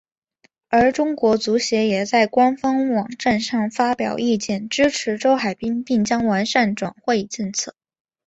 而中国足协也在官方网站上发表意见支持周海滨并将完善转会政策。